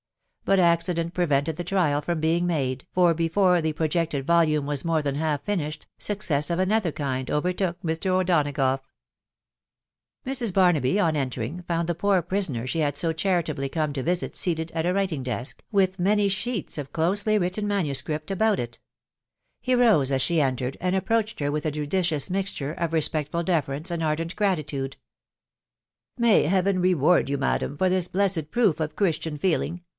But accident prevented the trial from being made; for before the projected volume was more than half finished, success of another kind overtook Mr. O'Donagough, Mrs. Barnaby, on entering, fouud the poor prisoner she had so charitably come to visit seated at a writing desk, with many sheets of closely written manuscript stowft \\~ 1&& tos* m ah* THE WIDOW BABKABY. 41 & entered, and approached her with a judicious mixture of re spectful deference and ardent gratitude. " May Heaven reward you, madam, for this blessed proof of Christian feeling